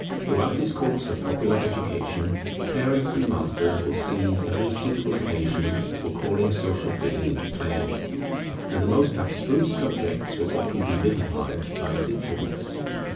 Throughout this course of popular education, parents and masters will seize every suitable occasion for calling Social Feeling into play; and the most abstruse subjects will often be vivified by its influence.